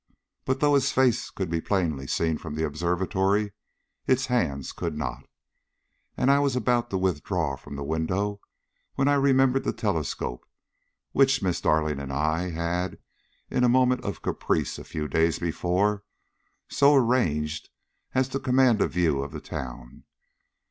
But though its face could be plainly seen from the observatory, its hands could not, and I was about to withdraw from the window when I remembered the telescope, which Miss Darling and I had, in a moment of caprice a few days before, so arranged as to command a view of the town.